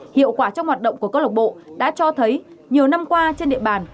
hiệu quả trong hoạt động của câu lộc bộ đã cho thấy nhiều năm qua trên địa bàn